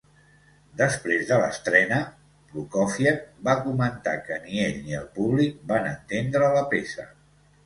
Després de l'estrena, Prokofiev va comentar que ni ell ni el públic van entendre la peça.